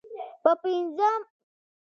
په ه ق کال کې په پارسي لیکل شوی دی.